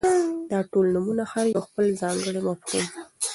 داټول نومونه هر يو خپل ځانګړى مفهوم ،